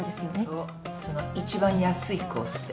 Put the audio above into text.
そうその一番安いコースで。